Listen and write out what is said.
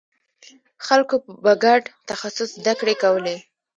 خلکو به ګډ تخصص زدکړې کولې.